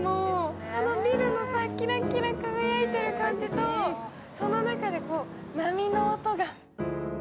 あのビルのキラキラ輝いてる感じと、その中で波の音が。